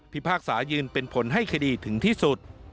พากษายืนเป็นผลให้คดีถึงที่สุด